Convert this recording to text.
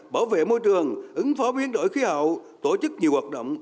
bảo vệ môi trường ứng phó biến đổi khí hậu tổ chức nhiều hoạt động